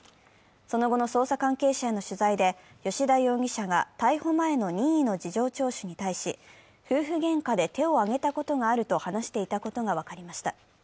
その後の捜査関係者への取材で吉田容疑者が逮捕前の任意の事情聴取に対し、夫婦げんかで手を上げたことがあると話していたことが分かりました。